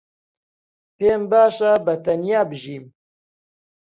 پێم باشە بەتەنیا بژیم.